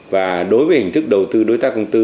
và đối với hình thức đầu tư đối tác công tư